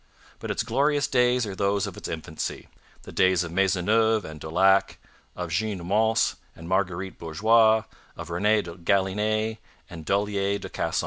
But its glorious days are those of its infancy, the days of Maisonneuve and Daulac, of Jeanne Mance and Marguerite Bourgeoys, of Rene de Galinee and Dollier de Casson.